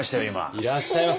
いらっしゃいませ。